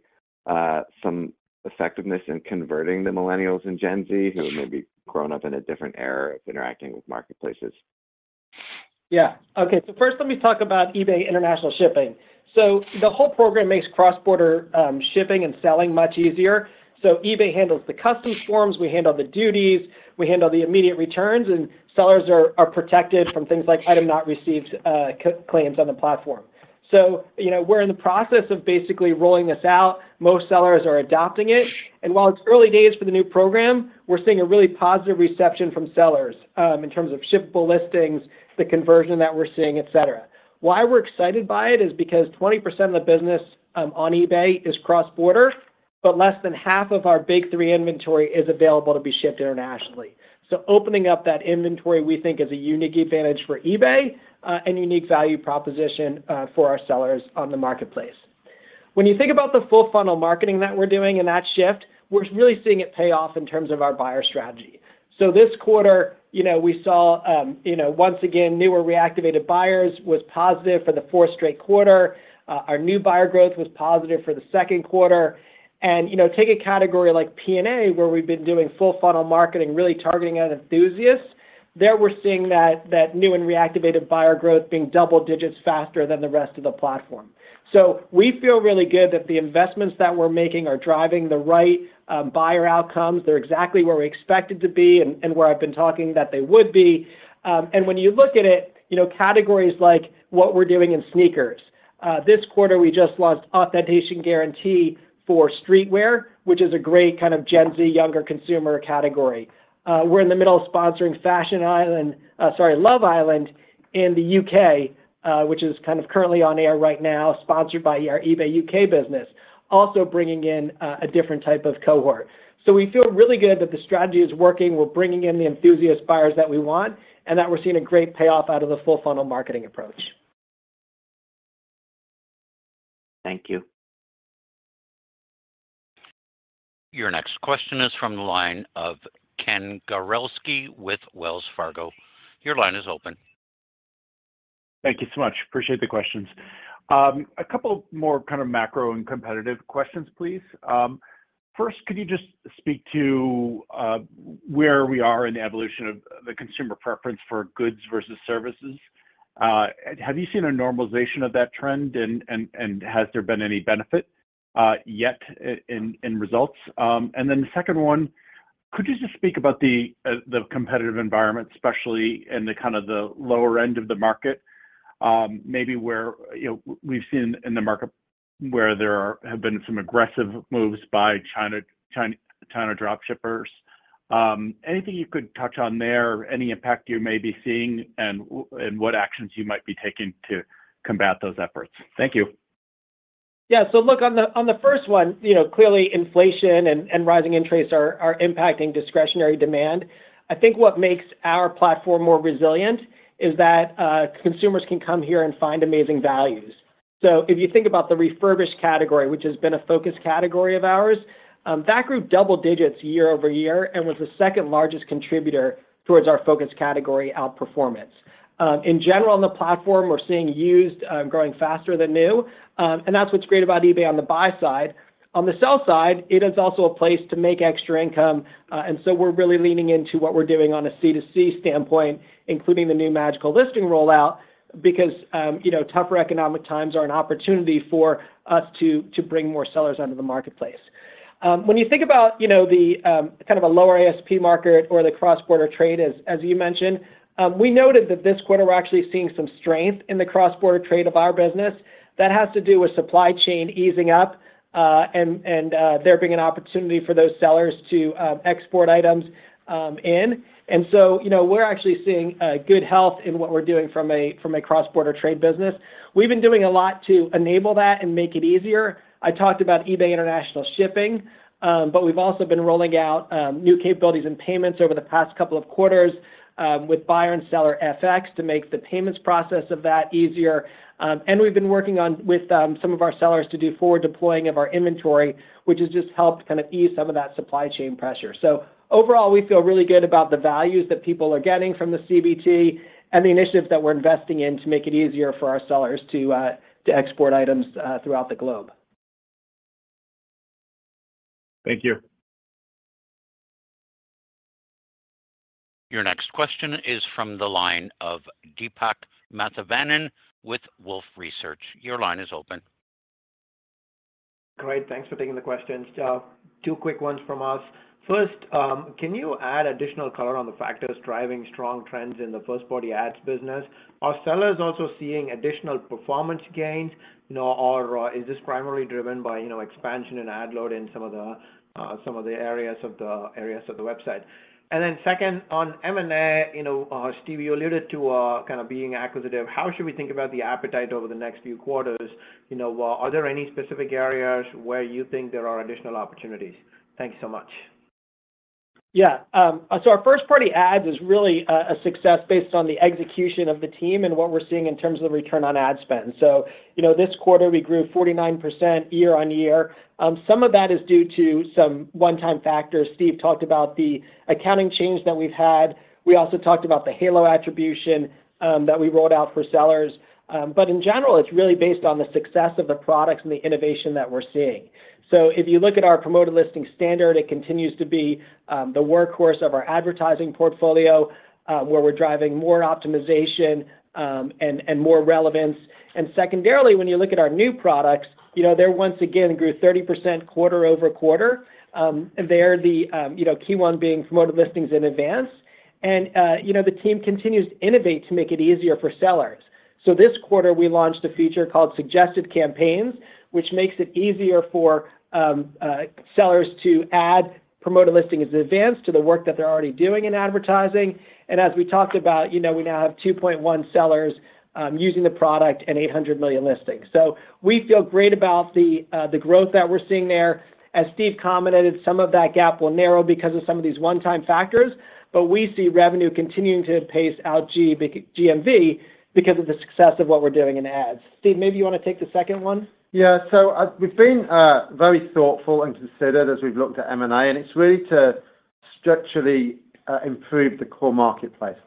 some effectiveness in converting the Millennials and Gen Z, who may be grown up in a different era of interacting with marketplaces? Yeah. Okay, first let me talk about eBay International Shipping. The whole program makes cross-border shipping and selling much easier. eBay handles the customs forms, we handle the duties, we handle the immediate returns, and sellers are protected from things like item not received claims on the platform. You know, we're in the process of basically rolling this out. Most sellers are adopting it, and while it's early days for the new program, we're seeing a really positive reception from sellers in terms of shippable listings, the conversion that we're seeing, et cetera. Why we're excited by it is because 20% of the business on eBay is cross-border, but less than half of our big three inventory is available to be shipped internationally. Opening up that inventory, we think, is a unique advantage for eBay, and unique value proposition, for our sellers on the marketplace. When you think about the full funnel marketing that we're doing in that shift, we're really seeing it pay off in terms of our buyer strategy. This quarter, you know, we saw, you know, once again, newer reactivated buyers was positive for the fourth straight quarter. Our new buyer growth was positive for the second quarter. You know, take a category like P&A, where we've been doing full funnel marketing, really targeting out enthusiasts. There we're seeing that new and reactivated buyer growth being double digits faster than the rest of the platform. We feel really good that the investments that we're making are driving the right buyer outcomes. They're exactly where we expected to be and where I've been talking that they would be. When you look at it, you know, categories like what we're doing in sneakers. This quarter, we just launched Authenticity Guarantee for streetwear, which is a great kind of Gen Z, younger consumer category. We're in the middle of sponsoring Love Island in the U.K., which is kind of currently on air right now, sponsored by our eBay U.K. business, also bringing in a different type of cohort. We feel really good that the strategy is working, we're bringing in the enthusiast buyers that we want, and that we're seeing a great payoff out of the full funnel marketing approach. Thank you. Your next question is from the line of Ken Gawrelski with Wells Fargo. Your line is open. Thank you so much. Appreciate the questions. A couple more kind of macro and competitive questions, please. First, could you just speak to where we are in the evolution of the consumer preference for goods versus services? Have you seen a normalization of that trend, and has there been any benefit yet in results? The second one, could you just speak about the competitive environment, especially in the kind of the lower end of the market, maybe where, you know, we've seen in the market where there have been some aggressive moves by China dropshippers. Anything you could touch on there, any impact you may be seeing and what actions you might be taking to combat those efforts? Thank you. Yeah. Look, on the first one, you know, clearly, inflation and rising interests are impacting discretionary demand. I think what makes our platform more resilient is that consumers can come here and find amazing values. If you think about the refurbished category, which has been a focus category of ours, that group double digits year-over-year and was the second largest contributor towards our focus category outperformance. In general, on the platform, we're seeing used growing faster than new. That's what's great about eBay on the buy side. On the sell side, it is also a place to make extra income. We're really leaning into what we're doing on a C2C standpoint, including the new Magical Listing rollout, because, you know, tougher economic times are an opportunity for us to bring more sellers onto the marketplace. When you think about, you know, the kind of a lower ASP market or the cross-border trade, as you mentioned, we noted that this quarter, we're actually seeing some strength in the cross-border trade of our business. That has to do with supply chain easing up and there being an opportunity for those sellers to export items. You know, we're actually seeing good health in what we're doing from a cross-border trade business. We've been doing a lot to enable that and make it easier. I talked about eBay International Shipping, but we've also been rolling out new capabilities and payments over the past couple of quarters, with buyer and seller FX to make the payments process of that easier. We've been working on with some of our sellers to do forward deploying of our inventory, which has just helped kind of ease some of that supply chain pressure. Overall, we feel really good about the values that people are getting from the CBT and the initiatives that we're investing in to make it easier for our sellers to export items throughout the globe. Thank you. Your next question is from the line of Deepak Mathivanan with Wolfe Research. Your line is open. Great. Thanks for taking the questions. Two quick ones from us. First, can you add additional color on the factors driving strong trends in the first-party ads business? Are sellers also seeing additional performance gains, you know, or is this primarily driven by, you know, expansion and ad load in some of the areas of the website? Second, on M&A, you know, Steve, you alluded to kind of being acquisitive. How should we think about the appetite over the next few quarters? You know, are there any specific areas where you think there are additional opportunities? Thank you so much. Yeah. Our first-party ads is really a success based on the execution of the team and what we're seeing in terms of the return on ad spend. You know, this quarter, we grew 49% year-over-year. Some of that is due to some one-time factors. Steve talked about the accounting change that we've had. We also talked about the halo attribution that we rolled out for sellers. In general, it's really based on the success of the products and the innovation that we're seeing. If you look at our Promoted Listings Standard, it continues to be the workhorse of our advertising portfolio, where we're driving more optimization, and more relevance. Secondarily, when you look at our new products, you know, they once again, grew 30% quarter-over-quarter. They're the, you know, key one being Promoted Listings Advanced. The team continues to innovate to make it easier for sellers. This quarter, we launched a feature called Suggested campaigns, which makes it easier for sellers to add Promoted Listings Advanced to the work that they're already doing in advertising. As we talked about, you know, we now have 2.1 sellers using the product and 800 million listings. We feel great about the growth that we're seeing there. As Steve commented, some of that gap will narrow because of some of these one-time factors, but we see revenue continuing to pace out GMV because of the success of what we're doing in ads. Steve, maybe you want to take the second one? Yeah. We've been very thoughtful and considered as we've looked at M&A, and it's really to structurally improve the core marketplace.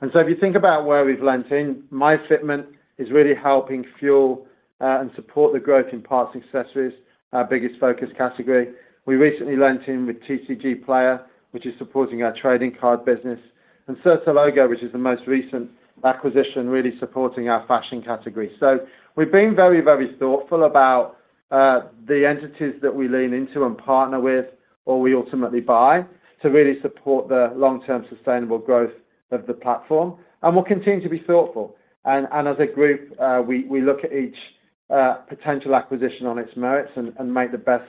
If you think about where we've lent in, MyFitment is really helping fuel and support the growth in parts and accessories, our biggest focus category. We recently lent in with TCGplayer, which is supporting our trading card business, and Certilogo, which is the most recent acquisition, really supporting our fashion category. We've been very, very thoughtful about the entities that we lean into and partner with or we ultimately buy, to really support the long-term sustainable growth of the platform, and we'll continue to be thoughtful. As a group, we look at each potential acquisition on its merits and make the best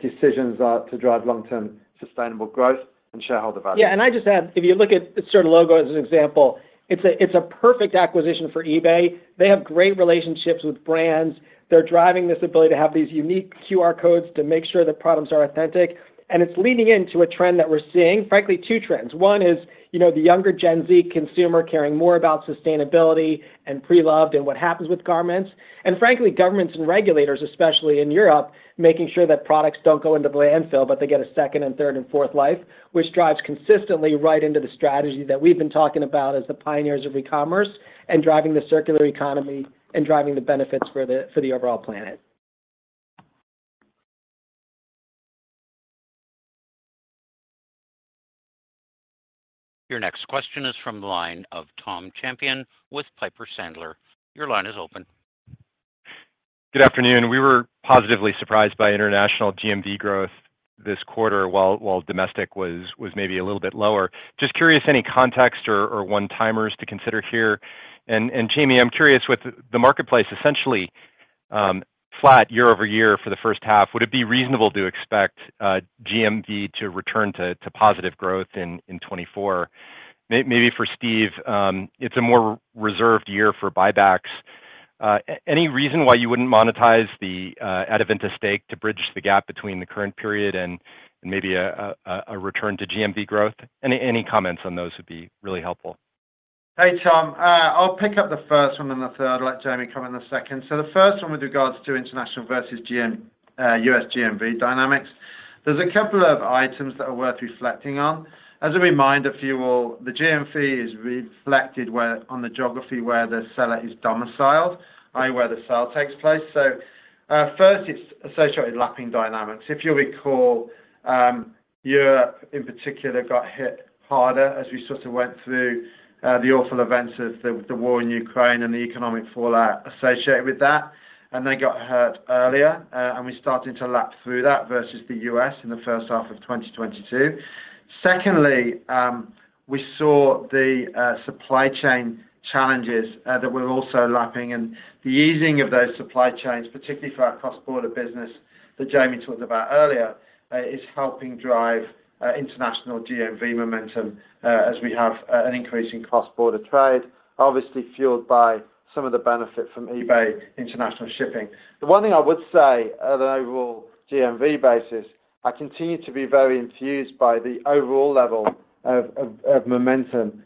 decisions to drive long-term sustainable growth and shareholder value. I just add, if you look at Certilogo as an example, it's a perfect acquisition for eBay. They have great relationships with brands. They're driving this ability to have these unique QR codes to make sure that products are authentic. It's leaning into a trend that we're seeing, frankly, 2 trends. One is, you know, the younger Gen Z consumer caring more about sustainability and pre-loved and what happens with garments. Frankly, governments and regulators, especially in Europe, making sure that products don't go into the landfill, but they get a second and third and fourth life, which drives consistently right into the strategy that we've been talking about as the pioneers of e-commerce and driving the circular economy and driving the benefits for the overall planet. Your next question is from the line of Tom Champion with Piper Sandler. Your line is open. Good afternoon. We were positively surprised by international GMV growth this quarter, while domestic was maybe a little bit lower. Just curious, any context or one-timers to consider here? Jamie, I'm curious, with the marketplace essentially flat year-over-year for the first half, would it be reasonable to expect GMV to return to positive growth in 2024? Maybe for Steve, it's a more reserved year for buybacks. Any reason why you wouldn't monetize the Adevinta stake to bridge the gap between the current period and maybe a return to GMV growth? Any comments on those would be really helpful. Hey, Tom, I'll pick up the first one, and the third, I'd let Jamie come in the second. The first one with regards to international versus GMV, U.S. GMV dynamics, there's a couple of items that are worth reflecting on. As a reminder for you all, the GMV is reflected on the geography where the seller is domiciled, i.e., where the sale takes place. First, it's associated with lapping dynamics. If you'll recall, Europe, in particular, got hit harder as we sort of went through the awful events of the war in Ukraine and the economic fallout associated with that, and they got hurt earlier, and we started to lap through that versus the U.S. in the first half of 2022. Secondly, we saw the supply chain challenges that we're also lapping, and the easing of those supply chains, particularly for our cross-border business that Jamie talked about earlier, is helping drive international GMV momentum, as we have an increase in cross-border trade, obviously fueled by some of the benefits from eBay International Shipping. The one thing I would say on an overall GMV basis, I continue to be very enthused by the overall level of momentum,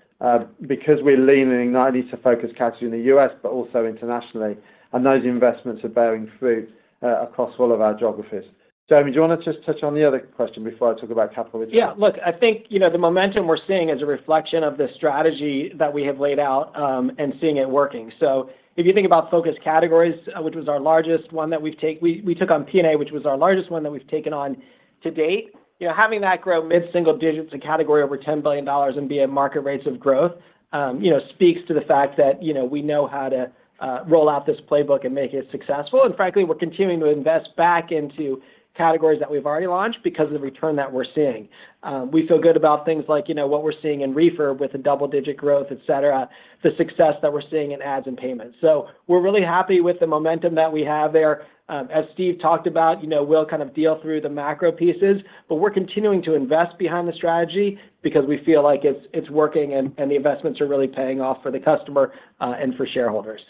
because we're leaning not only to focus category in the U.S., but also internationally, and those investments are bearing fruit across all of our geographies. Jamie, do you want to just touch on the other question before I talk about capital return? Look, I think, you know, the momentum we're seeing is a reflection of the strategy that we have laid out, and seeing it working. If you think about focus categories, which was our largest one that we took on P&A, which was our largest one that we've taken on to date, you know, having that grow mid-single digits, a category over $10 billion and be at market rates of growth, you know, speaks to the fact that, you know, we know how to roll out this playbook and make it successful. Frankly, we're continuing to invest back into categories that we've already launched because of the return that we're seeing. We feel good about things like, you know, what we're seeing in Refurb with a double-digit growth, et cetera, the success that we're seeing in ads and payments. We're really happy with the momentum that we have there. As Steve talked about, you know, we'll kind of deal through the macro pieces, but we're continuing to invest behind the strategy because we feel like it's working and the investments are really paying off for the customer and for shareholders.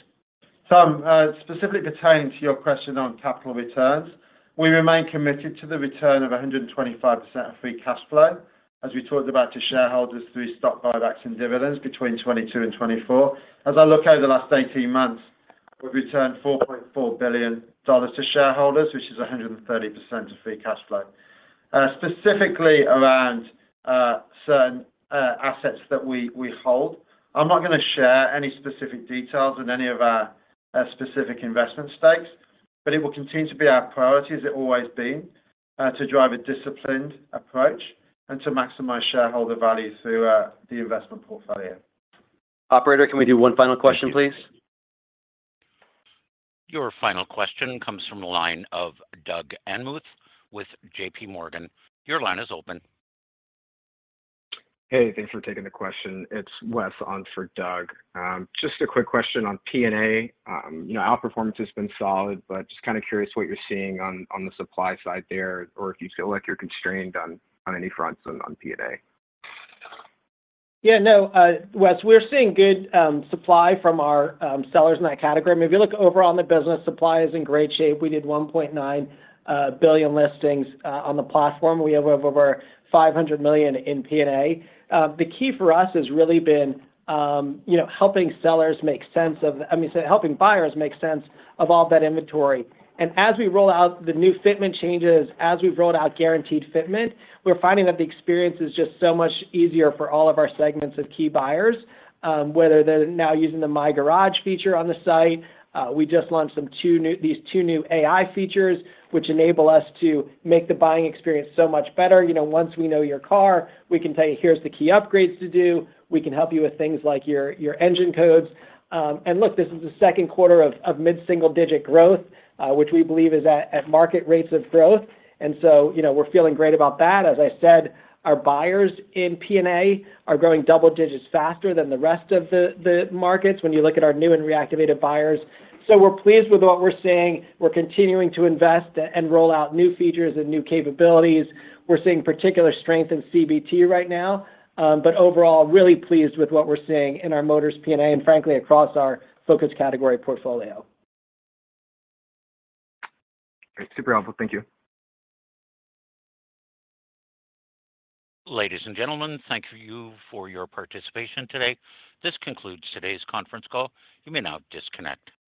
Specifically pertaining to your question on capital returns, we remain committed to the return of 125% of free cash flow, as we talked about to shareholders through stock buybacks and dividends between 2022 and 2024. As I look over the last 18 months, we've returned $4.4 billion to shareholders, which is 130% of free cash flow. Specifically around certain assets that we hold, I'm not gonna share any specific details on any of our specific investment stakes, but it will continue to be our priority, as it always been, to drive a disciplined approach and to maximize shareholder value through the investment portfolio. Operator, can we do one final question, please? Your final question comes from the line of Douglas Anmuth with J.P. Morgan. Your line is open. Hey, thanks for taking the question. It's Wes on for Doug. Just a quick question on P&A. You know, outperformance has been solid, but just kind of curious what you're seeing on the supply side there, or if you feel like you're constrained on any fronts on P&A? Yeah, no, Wes, we're seeing good supply from our sellers in that category. If you look overall in the business, supply is in great shape. We did 1.9 billion listings on the platform. We have over 500 million in P&A. The key for us has really been, you know, I mean, helping buyers make sense of all that inventory. As we roll out the new fitment changes, as we've rolled out guaranteed fitment, we're finding that the experience is just so much easier for all of our segments of key buyers, whether they're now using the My Garage feature on the site. We just launched these two new AI features, which enable us to make the buying experience so much better. You know, once we know your car, we can tell you, "Here's the key upgrades to do." We can help you with things like your engine codes. Look, this is the second quarter of mid-single-digit growth, which we believe is at market rates of growth, you know, we're feeling great about that. As I said, our buyers in P&A are growing double digits faster than the rest of the markets when you look at our new and reactivated buyers. We're pleased with what we're seeing. We're continuing to invest and roll out new features and new capabilities. We're seeing particular strength in CBT right now, but overall, really pleased with what we're seeing in our eBay Motors P&A, and frankly, across our focus category portfolio. Great. Super helpful. Thank you. Ladies and gentlemen, thank you for your participation today. This concludes today's conference call. You may now disconnect.